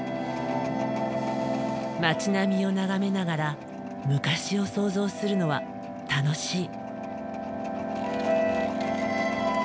街並みを眺めながら昔を想像するのは楽しい。